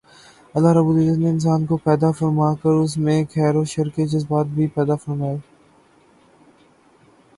اللہ رب العزت نے انسان کو پیدا فرما کر اس میں خیر و شر کے جذبات بھی پیدا فرمائے